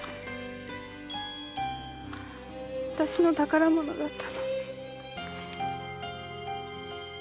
私の宝物だったのに。